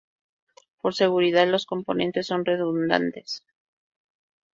Por seguridad, los componentes son redundantes.